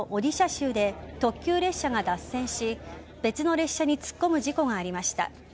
州で特急列車が脱線し別の列車に突っ込む事故がありました。